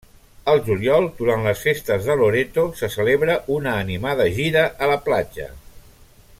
Al juliol durant les festes de Loreto se celebra una animada gira a la platja.